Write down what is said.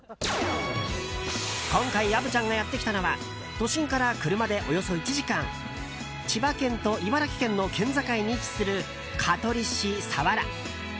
今回虻ちゃんがやってきたのは都心から車でおよそ１時間千葉県と茨城県の県境に位置する香取市佐原。